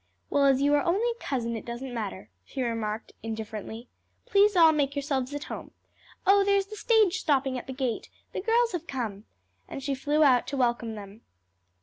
"Well, as you are only a cousin it doesn't matter," she remarked indifferently. "Please all make yourselves at home. Oh there's the stage stopping at the gate! the girls have come!" and she flew out to welcome them.